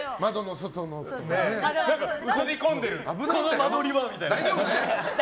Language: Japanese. この間取りは！みたいな。